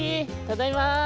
ただいま！